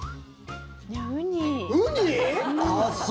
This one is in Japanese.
ウニ！？